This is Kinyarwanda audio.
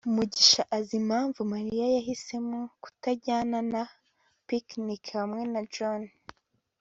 mugisha azi impamvu mariya yahisemo kutajyana na picnic hamwe na john